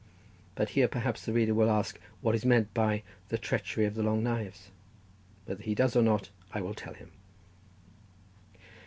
But here perhaps the reader will ask what is meant by "the treachery of the long knives?" whether he does or not I will tell him.